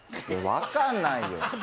分かんないよ。